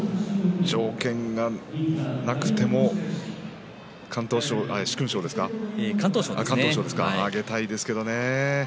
条件がなくても敢闘賞ですか、あげたいですね。